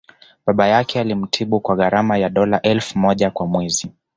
Baba yake alimtibu kwa gharama ya dola elfu moja kwa mwezi